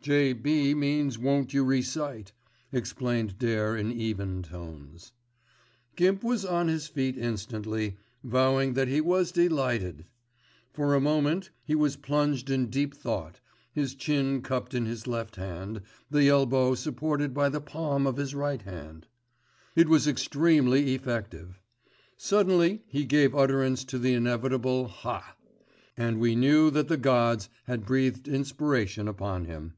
"J.B. means won't you recite," explained Dare in even tones. Gimp was on his feet instantly, vowing that he was delighted. For a moment he was plunged in deep thought, his chin cupped in his left hand, the elbow supported by the palm of his right hand. It was extremely effective. Suddenly he gave utterance to the inevitable "Haaa!" and we knew that the gods had breathed inspiration upon him.